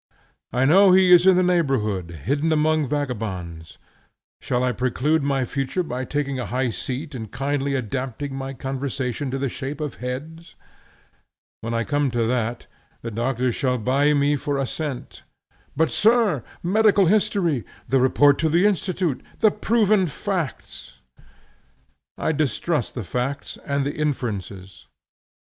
I know he is in the neighborhood hidden among vagabonds. Shall I preclude my future by taking a high seat and kindly adapting my conversation to the shape of heads? When I come to that, the doctors shall buy me for a cent. 'But, sir, medical history; the report to the Institute; the proven facts!' I distrust the facts and the inferences.